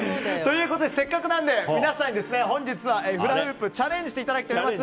せっかくなので皆さんに本日はフラフープにチャレンジしていただきたいと思います。